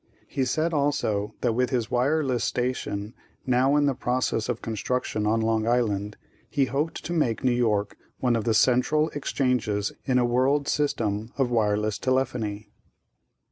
He said also that with his wireless station now in the process of construction on Long Island he hoped to make New York one of the central exchanges in a world system of wireless telephony.